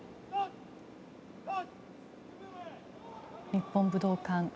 日本武道館